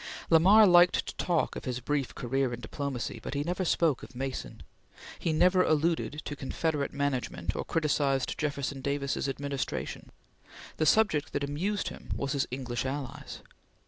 Lamar liked to talk of his brief career in diplomacy, but he never spoke of Mason. He never alluded to Confederate management or criticised Jefferson Davis's administration. The subject that amused him was his English allies.